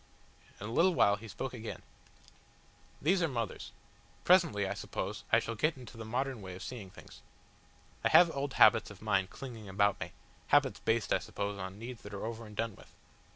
In a little while he spoke again: "These are mothers. Presently, I suppose, I shall get into the modern way of seeing things. I have old habits of mind clinging about me habits based, I suppose, on needs that are over and done with.